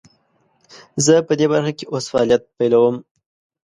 زه پدي برخه کې اوس فعالیت پیلوم.